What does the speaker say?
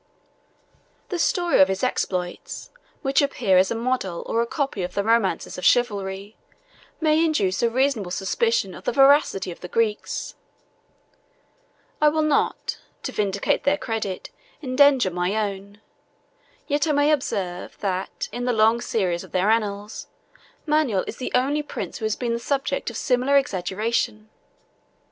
The story of his exploits, which appear as a model or a copy of the romances of chivalry, may induce a reasonable suspicion of the veracity of the Greeks: I will not, to vindicate their credit, endanger my own: yet I may observe, that, in the long series of their annals, Manuel is the only prince who has been the subject of similar exaggeration.